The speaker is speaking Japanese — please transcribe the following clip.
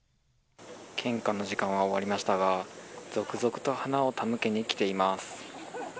献花の時間は終わりましたが続々と花を手向けに来ています。